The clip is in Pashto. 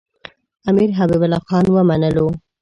امیر حبیب الله خان ومنلو.